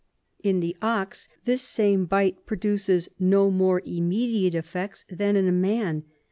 In the ox this same bite pro duces no more immediate effects than in a man.